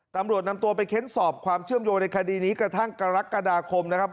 ตำรวจนำตัวไปเค้นสอบความเชื่อมโยงในคดีนี้กระทั่งกรกฎาคมนะครับ